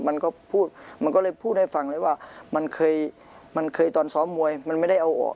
มันก็พูดมันก็เลยพูดให้ฟังเลยว่ามันเคยมันเคยตอนซ้อมมวยมันไม่ได้เอาออก